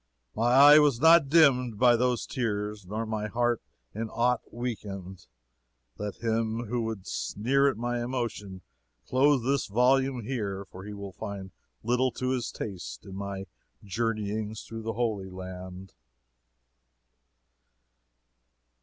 "My eye was not dimmed by those tears nor my heart in aught weakened. Let him who would sneer at my emotion close this volume here, for he will find little to his taste in my journeyings through Holy Land."